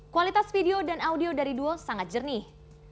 kualitas video dan audio dari duo sangat jernih